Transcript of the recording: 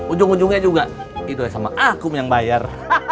ujung ujungnya juga idoi sama akum yang bayar